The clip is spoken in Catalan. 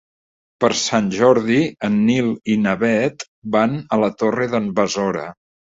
Per Sant Jordi en Nil i na Bet van a la Torre d'en Besora.